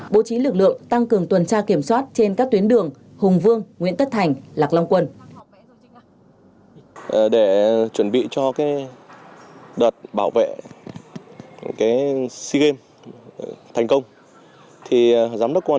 bố trí lực lượng tăng cường tuần tra kiểm soát trên các tuyến đường hùng vương nguyễn tất thành lạc long quân